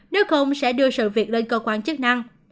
nếu không sẽ đưa sự việc lên cơ quan chức năng